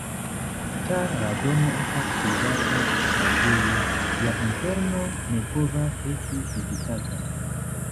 Ĉar la domo estas privata loĝejo, ĝia interno ne povas esti vizitata.